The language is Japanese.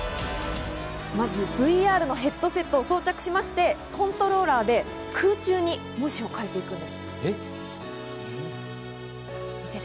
ＶＲのヘッドセットを装着しまして、コントローラで空中に文字を書いていくんです。え？